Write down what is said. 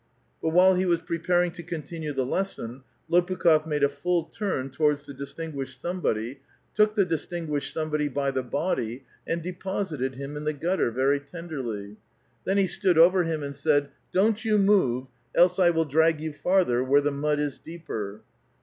" but while he was preparing to continue the lesson, Lopukh6f made a full turn towards the distinguished somebody, took the distinguished some body by the body, and deposited him in the gutter very tenderly ; then he stood over him, and said, '' Don't you move, else I will drag you farther where the mud is deeper.'